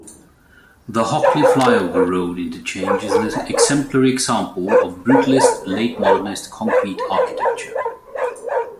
The "Hockley flyover" road interchange is an exemplary example of brutalist late-modernist concrete architecture.